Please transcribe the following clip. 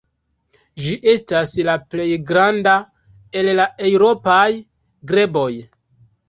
Ĝi estas la plej granda el la eŭropaj greboj.